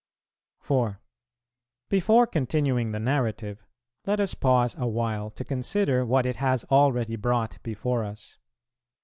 4. Before continuing the narrative, let us pause awhile to consider what it has already brought before us.